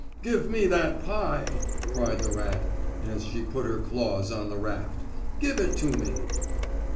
"Give me that pie!" cried the rat, as she put her claws on the raft. "Give it to me."